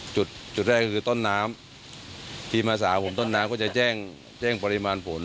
จุดแรกคือต้นน้ำทีมา๓ผมต้นน้ำก็จะแจ้งปริมาณผล